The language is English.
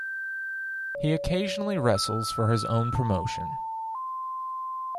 He occasionally wrestles for his own promotion.